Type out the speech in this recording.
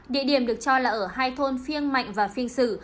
địa điểm được cho là ở hai thôn phiêng mạnh và phiêng sử